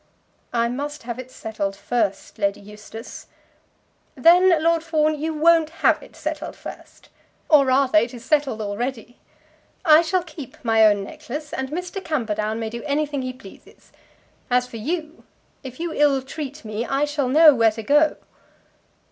"I must have it settled first, Lady Eustace." "Then, Lord Fawn, you won't have it settled first. Or rather it is settled already. I shall keep my own necklace, and Mr. Camperdown may do anything he pleases. As for you, if you ill treat me, I shall know where to go to."